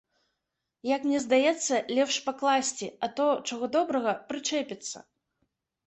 Як мне здаецца, лепш пакласці, а то, чаго добрага, прычэпіцца.